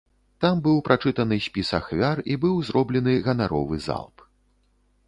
Там быў прачытаны спіс ахвяр і быў зроблены ганаровы залп.